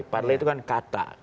parle itu kan kata